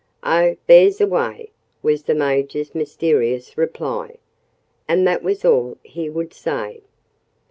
"Oh, there's a way!" was the Major's mysterious reply. And that was all he would say.